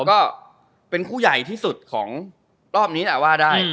แล้วก็เป็นคู่ใหญ่ที่สุดของรอบนี้แหละว่าได้